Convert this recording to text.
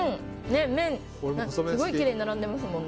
麺、すごいきれいに並んでますもんね。